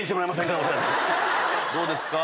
どうですか？